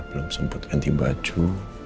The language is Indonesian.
belum sempat ganti baju